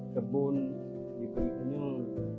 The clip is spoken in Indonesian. kebun diberi penyel